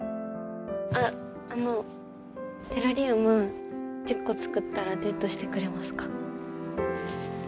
あっあのテラリウム１０個作ったらデートしてくれますか？